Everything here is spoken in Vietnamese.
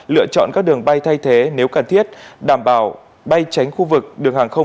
lựa chọn các đường bay thay thế nếu cần thiết đảm bảo bay tránh khu vực đường hàng không